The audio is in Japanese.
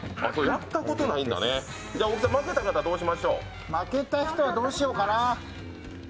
やったことないんだね、大木さん、負けた方どうしましょう負けた人はどうしよっかな。